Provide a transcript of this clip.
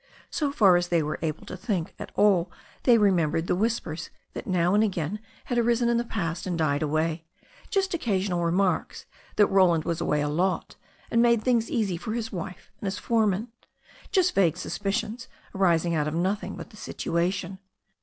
So far as they were able to think at all they remembered the whis pers that now and again had arisen in the past and died away — just occasional remarks that Roland was away a lot and made things easy for his wife and his foreman, just vague suspicions arising out of nothing but the situation.